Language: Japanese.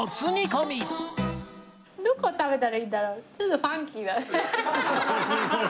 どこ食べたらいいんだろう？